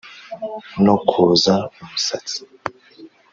no koza umusatsi